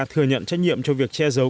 thừa nhận trách nhiệm cho việc che giấu